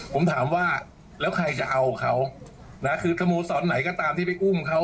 ผมถามว่าแล้วใครจะเอาเขานะคือสโมสรไหนก็ตามที่ไปอุ้มเขา